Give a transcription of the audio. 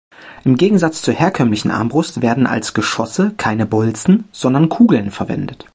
Im Gegensatz zur herkömmlichen Armbrust werden als Geschosse keine Bolzen, sondern Kugeln verwendet.